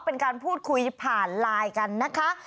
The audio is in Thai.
เป็นการพูดคุยผ่านไลน์กันนะคะ